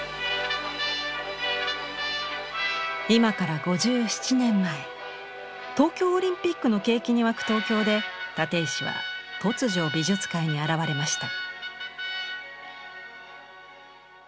今から５７年前東京オリンピックの景気に沸く東京で立石は突如美術界に現れました。